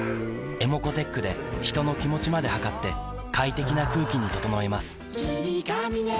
ｅｍｏｃｏーｔｅｃｈで人の気持ちまで測って快適な空気に整えます